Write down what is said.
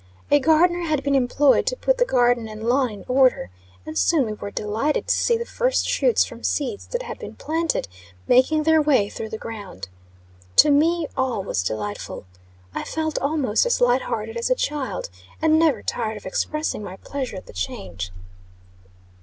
A gardener had been employed to put the garden and lawn in order, and soon we were delighted to see the first shoots from seeds that had been planted, making their way through the ground. To me, all was delightful. I felt almost as light hearted as a child, and never tired of expressing my pleasure at the change.